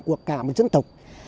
của cả một dân tộc